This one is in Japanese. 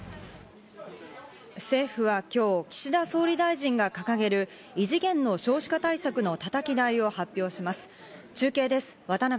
政府は今日、岸田総理大臣が掲げる異次元の少子化対策のたたき台を発表します。